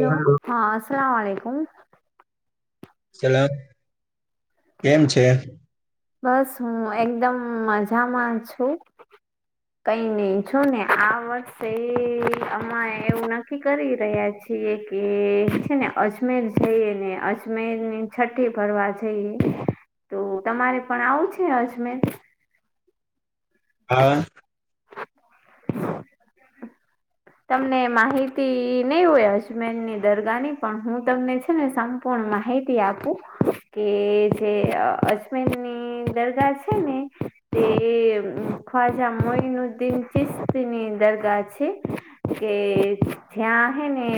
ઓ હા સલામમાલીકુમ. સલામ કેમ છે. બસ હું એકદમ મજામાં છું. કઈ નહી છુને આ વર્ષે એ અમા એવું નક્કી કરી રહ્યા છે. ઠીએ કે છે ને અજમેર જઈએ ને અજમેર ની છઠ્ઠી ભરવા જઈએ. તો તમારે પણ આવું છે અજમેર. હા. તમને માહિતી નહી હોય અજમેનની દરગાહની પણ હું તમને છે ને સાભ પણ માહિતી આપું કે જે અજમેરની દરગાહ છે ને. તે ખ્વાજા મોઈનુદ્દીન ચિસ્તની દરગા છે. કે થયાં હે ને.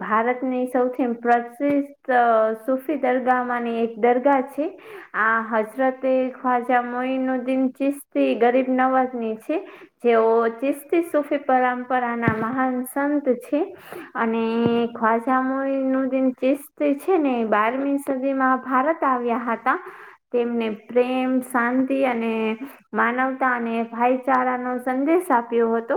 ભારતની સૌથી પ્રસિદ્ધ સુફી દરગાહ ની એક દરગાહ છે. આ હજરત એ ખ્વાજા મો ન દિન ચિસ્તી ગરીબ નવાજ ની છે. જેઓ ચિસ્તી સુફી પરંપરા ના મહાન સંત છે. અને ખ્વાજામરી નું જે ચેસ્ત છે ને બારમી સુધીમાં ભારત આવ્યા હતા તેમને પ્રેમ શાંતિ અને માનવતા અને ભાઈચારા નો સંદેશ આપ્યો હતો.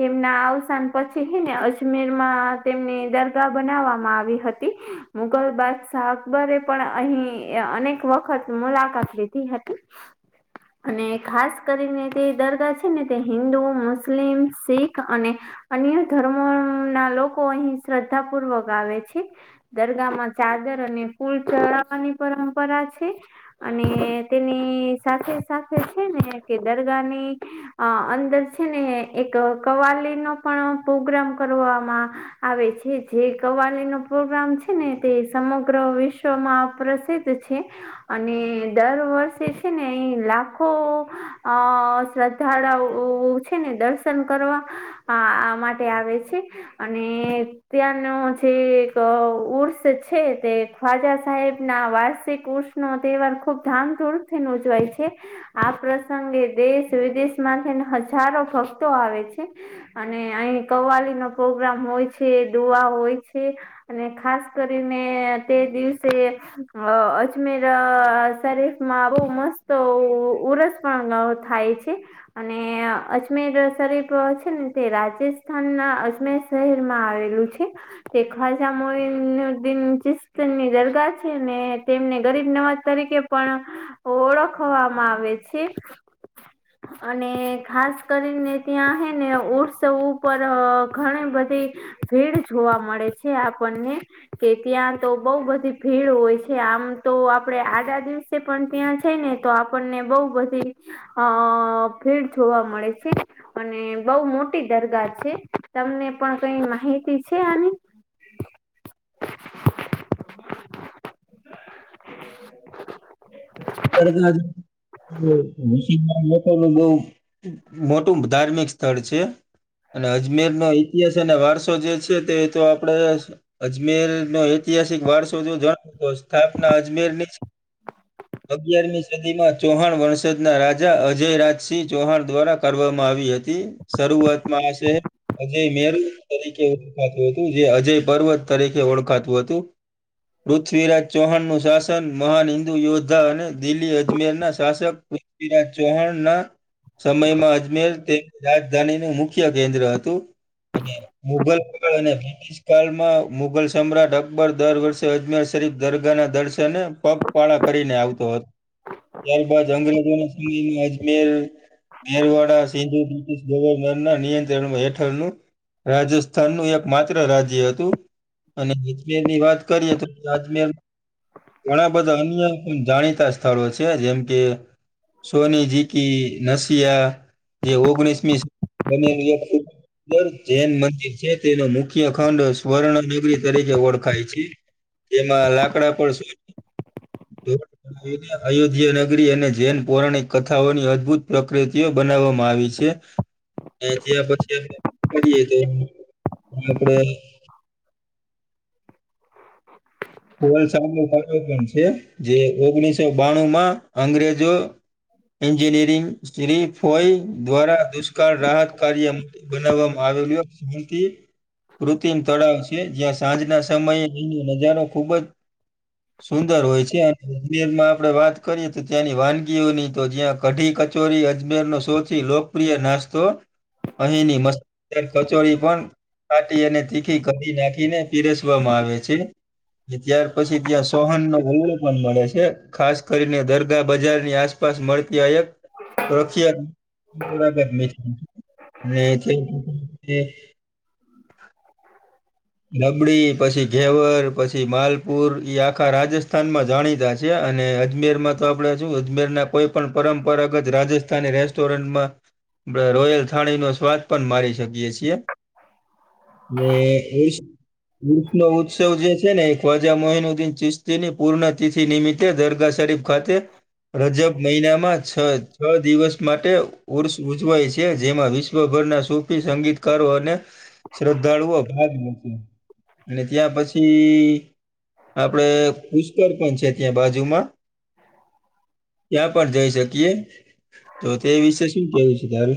તેમના અવસાન પછી હેને અજમેર માં તેમની દરગાહ બનાવવામાં આવી હતી. મુગલ બાદશાહ અકબરે પણ અહી અનેક વખત મુલાકાત લીધી હતી. [unintelligible] અને ખાસ કરીને તે દરગાહ છે ને તે હિન્ંદુ મુસ્લિમ શીખ અને અન્ય ધર્મો ના લોકો અહી શ્રદ્ધા પૂર્વક આવે છે. દરગાહ માં ચાદર અને ફૂલ ચડવાની પરંપરા છે. અને તેની સાથે સાથે છે ને કે દરગાહ ની અ અંદર છે ને એક કવાલી નો પણ પ્રોગ્રામ કરવામાં આવે છે જે કવાલી નો પ્રોગ્રામ છે ને તે સમગ્ર વિશ્વમાં પ્રસિદ્ધ તેછે અને દર વર્ષે છે ને એ લાખો અ શ્રદ્ધાળાઓ છે ને દર્શન કરવા આ આમાટે આવે છે અને ત્યાંનો જે એક ઉર્ષ છે તે ખ્વાજા સાહેબ ના વાર્ષિક ઉર્સ નો તહેવાર ખુબ ધામધૂમથી ઉજવાય છે. આ પ્રસંગે દેશ વિદેશમાંથી હજારો ભક્તો આવે છે. છે અને અહીં કવાલી નો પ્રોગ્રામ હોય છે દુઆ હોય છે. અને ખાસ કરીને તે દિવસે અ અજમેર શારી માંરૂ મસ્ત ઉ ઉરસ પણ મા થાય છે. અને અજમીરસરીફ તો છે ને તે રાજસ્થાન ના અજમેર શહેરમાં આવેલું છે. તે ખ્વાજા મોઈનુદીન ચીસ્તનની દરગાહ છે ને તેમને ગરીબ નવાજ તરીકે પણ ઓળખવામાં આવે છે. અને ખાસ કરીને ત્યાં હે ને ઉત્સવ ઉપર ઘણી બધી ભીડ જોવા મળે છે આપણને કે ત્યાં તો બઉ બધી ભીડ હોય છે આમ તો આપડે આડા દિવસ તે પણ ત્યાં છે ને તો આપણને બઉ બધી અ ભીડ જોવા મળે છે. અને બઉ મોટી દરગાહ છે તમને પણ કઈ માહિતી છે આની? [unintelligible] બઉ [unintelligible] બઉ મોટું ધાર્મિક સ્થળ છે. અને અજમેરનો ઇતિહાસ અને વારસો જે છે તે તો આપડે અજમેર નો ઐતિહાસિક વારસો જો જાણ સ્થાપના અજમેર ની અગિયારમી સદીમાં ચૌહાણ વણસદના રાજા અજય રાજસિંહ ચૌહાણ દ્વારા કરવામાં આવી હતી. શરૂઆતમાં આશે અજય મેરૂ તરીકે ઓળખાતું હતું જે અજય પર્વત તરીકે ઓળખાતું હતું. પૃથ્વીરાજ ચૌહાણનું શાસન મહાન હિન્દુ યોદ્ધ ધા અને દિલ્હી અજમેર ના શાસક પૃથ્વીરાજ ચૌહાણ ના સમયમાં અજમેર તેની રાજધાની નુ મુખ્ય કેન્દ્ર હતું. અને મુગલ પગ અને [unintelligible] સ્થળમાં મુઘલ સમ્રાટ અકબર દર વર્ષે અજમેર શરીફ દરગાહ ના દર્શને પગપાળા કરીને આવતો હતો ત્યારબાદ અંગ્રેજોના સમયમાં અજમેર મેરવાડા સિંધુ બ્રિટિશ ગવર્નર ના નિયંત્રણ હેઠળનું રાજસ્થાનનું એક માત્ર રાજ્ય હતું અને મેર ની વાત કરીએ તો અજમેર ઘણા બધા અન્ય જાણીતા સ્થળો છે જેમ કે સોનીજીકી, નસિયા જે ઓગણીસમી બનેલી હતી દર જૈન મંદિર છે તેનો મુખ્ય ખંડ સ્વર્ણ નગરી તરીકે ઓળખાય છે. એમાં લાકડા પણ શું [unintelligible] અયોધ્યા નગરી અને જૈન પૌરાણિક કથાઓની અદભુત પ્રકૃતિઓ બનાવવામાં આવી છે. ત્યાં પછી કરીએ તો આપડે [unintelligible] છે જે ઓગણીસો બાણું માં અંગ્રેજો એન્જિનિયરિંગ સ્ટેરી ફોય દ્વારા દુષ્કાળ રાહત કાર્ય બનાવવામાં આવેલુ એક મુતી કૃત્રિમ તળાવ છે જ્યાં સાંજના સમયે અહીનો નજારો ખૂબ જ સુંદર હોય છે અને અજમેરમાં આપણે વાત કરીએ તો ત્યાંની વાનગીઓની તો જ્યાં કઢી, કચોરી અજમેરનો સૌથી લોકપ્રિય નાસ્તો અહીંની મસ્ત કચોરી પણ ખાટી અને તીખી કઢી નાખીને પીરસવામાં આવે છે. ત્યાર પછી ત્યાં સોહન નો ઓળો પણ મળે છે ખાસ કરીને દરગાહ બજારની આસ પાસ મળતી આયત રખિયા બરા મીઠ અને જે [unintelligible] રબળી પછી ઘેવર પછી માલપુર ઈ આખા રાજસ્થાનમાં જાણીતા છે અને અજમેરમાં તો આપણેે શું અજમેરના કોઈ પણ પરંપરાગત રાજસ્થાની રેસ્ટોરન્ટમાં પ રોયલ થાણી નો સ્વાદ પન મારી શકીએ છીએ ને એવુ વીસ નો ઉત્સવ જે છે ને ખ્વાજા મોહિનુદ્દીન ચિસ્તીની પૂર્ણ તિથિ નિમિત્તે દરગા શરીફ ખતે રજબ મહિનામાં છ છ દિવસ માટે ઉર્ષ ઉજવાય છે જેમાં વિશ શ્વભરના સૂપી સંગીતકારો અને શ્રદ્ધાળુઓ ભાગ અને ત્યાં પછી આપડે પુષ્કળ પણ છે ત્યાં બાજુમાં ત્યાં પણ જઈ શકીએ તો તે વિશે શું કેવું છે તારે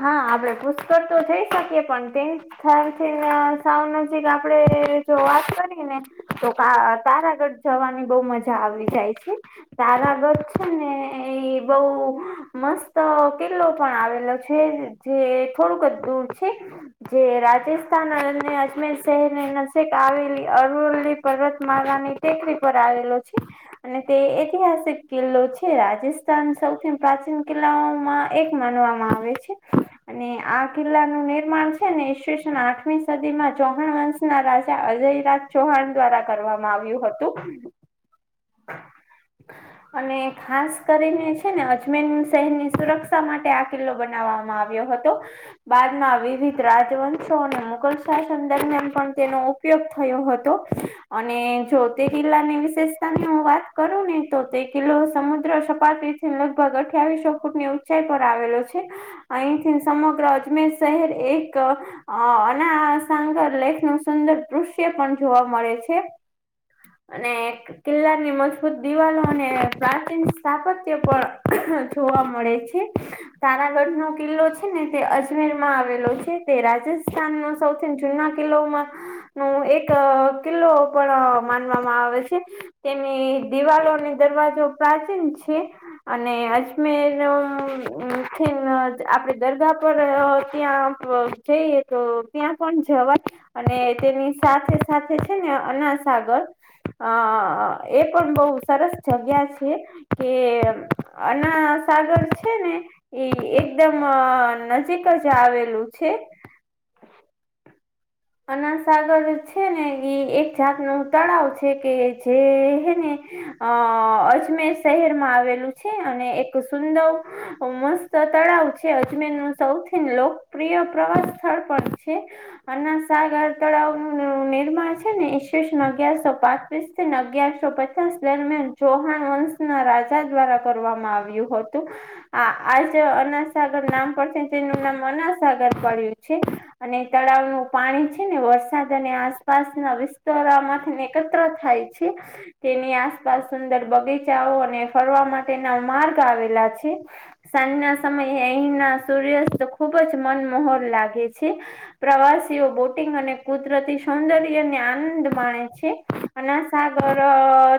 હા આપડે પુષ્કળ તો જઈ શકીએ પણ તેમ ખારથી ને સાવ નજીક આપડે જો વાત કરી ને તો કા તારાગઢ જવાની બઉ મજા આવી જાય છે તારાગઢ છે ને એ બહ મસ્ત કિલ્લો પણ આવેલો છે ને જે થોડુંક જ દૂર છે જે રાજસ્થાન અને અજમેર શહેરની નજીક આવેલી અરવલ્લી પર્વતમાળાની ટેકરી પર આવેલો છે અને તે ઐતિહાસિક કિલ્લો છે રાજસ્થાન સૌથી પ્રાચીન કિલ્લાઓમાં એક માનવામાં આવે છે અને આ કિલ્લાનું નિર્માણ છે ને ઈસવીસને આઠમી સદીમાં ચૌહાણ વંશ ના રાજા અજય રાજ ચૌહાણ દ્વારા કરવામાં આવ્યું હતું અને ખાસ કરીને છે ને અજમેન શહેર ની સુરક્ષા માટે આ કિલ્લો બ નાવામાં આવ્યો હતો બાર ના વિવિધ રાજવંશો અને મુઘલ શાસન દરમિયાન પણ તેનો પયોગ થયો હતો અને જો તે કિલ્લાની વિશેષતા ની હું વાત કરું ને તો તે કિલ્લો સમુદ્ર સપાટી લગભગ અઠ્યાવીસો ફૂટ ની ઊંચાઈ પર આવેલો છ અયથી સમગ્ર અજમેર શહેર એક અ અને આ સાંગર લેખ નું સુંદર દૃશ્ય પણ જોવા મળે છે અને એક કિલ્લાની મજબૂત દિવાલો અને પ્રાચીન સ્થાપત્ય પણ જોવા મળે છે તનાગઢ નો કિલ્લો છે ને તે અજમેર માં આવેલો છે તે રાજસ્થાન નો સૌથી જૂના કિલ્લોઓમા નું એક કિલ્લો પણ માનવામાં આવે છે તેની દિવાલો અને દરવાજો પ્રાચીન છે અને અજમેર આપડે દરબાર પર ત્યાં જઈએ તો ત્યાં પણ જવા અને તેની સાથે સાથે છે ને અનાસાગર અ એ પણ બહુ સરસ જગ્યા છે કે અના સાગર છે ને એ એકદમ નજીક જ આવેલું છે અન સાગર છે ને એ એક જાત નું તળાવ છે કે જે હે ને અ અજમેર શહેરમાં આવેલું છે અને એક સુંદર મસ્ત તળાવ છે અજમેર નું સૌથી લોકપ્રિય પ્રવાસ સ્થળ પણ છે અન સાગર તળાવનું નિર્માણ છે ને ઈસવીસન અગિયારસો પાંત્રીસ અને અગિયારસો બ તીસ દરમિયાન ચૌહાણ વંશના રાજા દ્વારા કરવામાં આવ્યું હતું આ આજ અનાસાગર નામ પરથી તેનું નામ અનાસાગર પડ્યું છે અને તળાવ નું પાણી છે ને વરસાદ અને આસપાસ ના વિસ્તારમાંથી એકત્ર થાય છે તેની આસપાસ સુંદર બગીચાઓ અને ફરવા માટેના માર્ગ આવેલા છે સાંજ ના સમયે અહીંના સૂર્યાસ્ત ખુબ જ મનમહોર લાગે છે પ્રવાસીઓ બોટિંગ અને કુદરતી સૌંદર્યને આનંદ માણે છે અને સાગર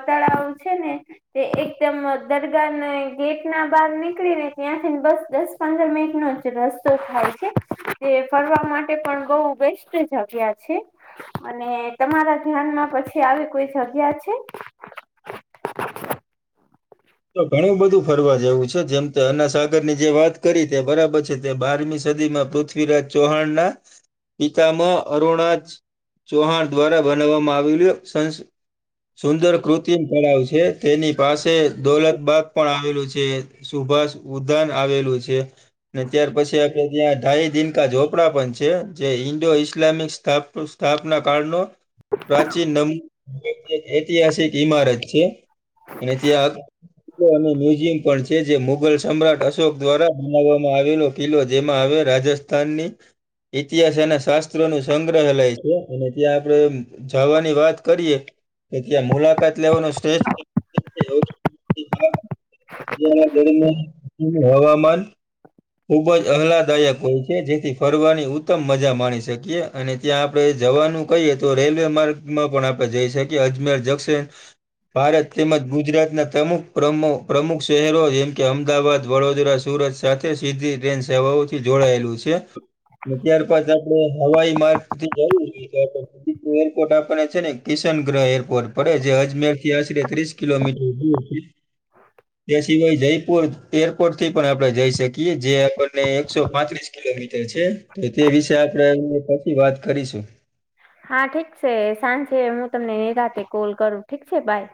તળાવ છે ને તે એકદમ દરગાહ ને ગેટ ના બહાર નીકળીને ત્યાંથીને બસ દસ પંદર મીટ નો જ રસ્તો થાય છે તે ફરવા માટે પણ બઉ બેસ્ટ જગ્યા છે અને તમારા ધ્યાનમાં પછી આવી કોઈ જગ્યા છે તો ઘણું બધું ફરવા જેવું છે જેમ કે અના સાગર ની જે વાત કરી તે બરાબર છે તે બારમી સદીમાં પૃથ્ પૃથ્વીરાજ ચૌહાણના પિતામાં અરુણા જ ચૌહાણ દ્વારા બનાવવામાં આવેલ સં સુંદર કૃત્રિમ તળાવ છે તેની પાસે દોલત બાગ પણ આવેલું છે સુભાષ ઉદાન આવેલું છે ને ત્યાર પછી ત્યાં ઢાઈ દિનકા ઝોપડા પણ છે જે ઈન્ડો ઈસ્લામિક સ્થાપના કાળ ન પ્રાચીનમ એક ઐતિહાસિક ઈમારત છે અને ત્યાં અને મ્યુઝિયમ પણ છે જે મુઘલ સમ્રાટ અશોક દ્વારા બનાવવામાં આવેલો કિલ્લો જેમાં આવે રાજસ્થાનની ઇતિહાસના શાસ્ત્રોનું સંઘ [unintelligible] અને ત્યાં આપડે જવાની વાત કરીએ કે ત્યાં મુલાકાત લેવાનું સ્ટેજ [unintelligible] હવામાન ખુબ જ આહલાદાયક હોય છે જેથી ફરવાની ઉત્તમ મજા માણી શકીએ અને ત્યાં આપડણે જવાનું કહીએ તો રેલવે માર્ગમાં પણ આપણે જઈ શકીએ અજમેર જંક્શન ભારત તેમજ ગુજરાતના પ્રમુક પ્રમુખ શહેરો જેમ કે અમદાવાદ વડોદરા સુરત સાથે સીધી ટ્રેન સેવાઓ થી જોડાયેલું છે અને ત્યારબાદ આપડણે હવાઈ માર્ગથી જવું જોઈ તો બ એરપોર્ટ આપણે છે ને કિશન ગ્રહ એરપોર્ટ પડે જે અજમેર થી આશરે ત્રીસ કિલોમીટર દૂર [inaudible] તે સિવાય જયપુર એરપોર્ટ થી પણ આપણેે જઈ શકીએ જે આપણને એકસો પાંત્રીસ કિલોમીટર છે તો તે વિશે આપડે એ પછી વાત કરીશું હા ઠીક છે સાંજે હું તમને નિરાંતે કોલ કરું ઠીક છે બાય